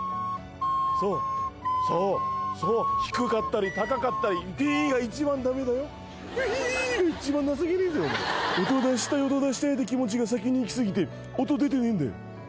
そうそうそう低かったり高かったりピが一番ダメだよピが一番情けねえぜ音出したい音出したいって気持ちが先にいきすぎて音出てねえんだよ